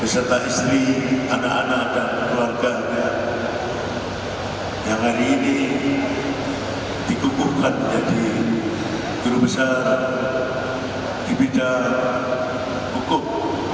beserta istri anak anak dan keluarga yang hari ini dikukuhkan menjadi guru besar di bidang hukum